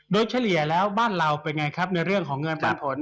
โดยเฉลี่ยแล้วบ้านเราเป็นไงครับในเรื่องของเงินปันผล